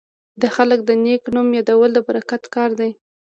د خلکو د نیک نوم یادول د برکت کار دی.